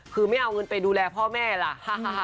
คือไม่เอาเงินไปดูแลพ่อแม่ล่ะ